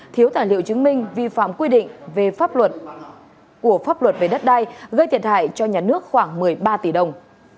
thiếu tài liệu chứng minh vi phạm quy định về pháp luật của pháp luật về đất đai gây thiệt hại cho nhà nước khoảng một mươi ba tỷ đồng